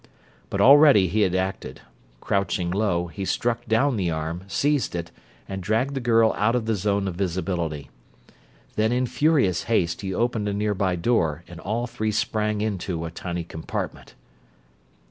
But already he had acted. Crouching low, he struck down the arm, seized it, and dragged the girl out of the zone of visibility. Then in furious haste he opened a nearby door and all three sprang into a tiny compartment.